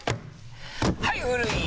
はい古い！